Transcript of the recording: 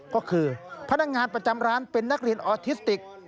ก็คือพนักงานประจำร้านเป็นนักเรียนออทิสติก